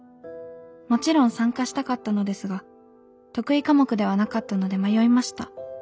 もちろん参加したかったのですが得意科目ではなかったので迷いました。